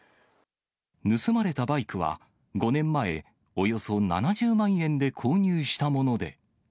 盗まれたバイクは、５年前、およそ７０万円で購入したもので。